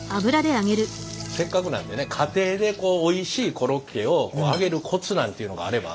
せっかくなんでね家庭でおいしいコロッケを揚げるコツなんていうのがあれば。